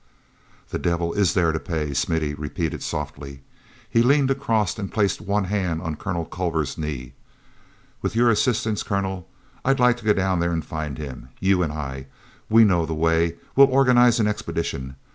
"The devil is there to pay," Smithy repeated softly. He leaned across and placed one hand on Colonel Culver's knee. "With your assistance, Colonel, I'd like to go down there and find him. You and I, we know the way—we'll organize an expedition.